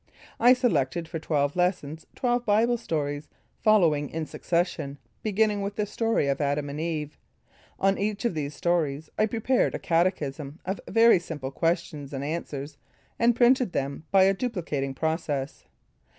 I selected for twelve lessons, twelve Bible stories following in succession, beginning with the story of Adam and Eve. On each of these stories I prepared a catechism of very simple questions and answers, and printed them by a duplicating process.